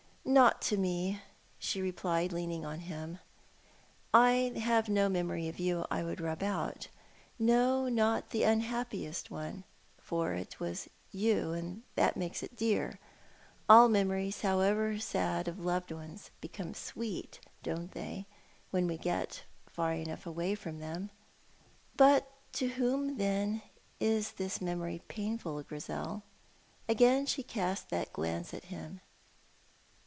"Not to me," she replied, leaning on him. "I have no memory of you I would rub out, no, not the unhappiest one, for it was you, and that makes it dear. All memories, however sad, of loved ones become sweet, don't they, when we get far enough away from them?" "But to whom, then, is this memory painful, Grizel?" Again she cast that glance at him.